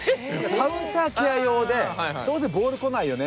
カウンターケア用でどうせボール来ないよね